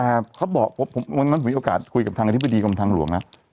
เพราะวันนั้นผมมีโอกาสคุยกับทางอธิบดีกับทางหลวงนะ